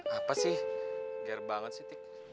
apa sih biar banget sih tik